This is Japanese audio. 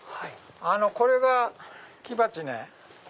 これが木鉢ね。